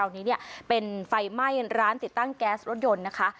อันนี้เนี่ยเป็นไฟไหม้ร้านติดตั้งแก๊สรถยนต์นะคะ